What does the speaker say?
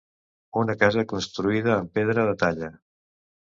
Una casa construïda amb pedra de talla.